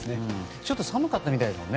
ちょっと寒かったみたいですからね。